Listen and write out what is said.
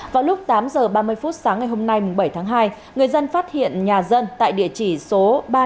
vào lúc tám h ba mươi phút sáng ngày hôm nay bảy tháng hai người dân phát hiện nhà dân tại địa chỉ số ba trăm ba mươi